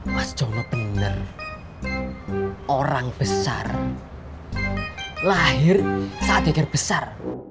mas jono bener orang besar lahir saat deger besar